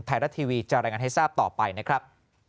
ไทยรัฐทีวีจะรายงานให้ทราบต่อไปนะครับ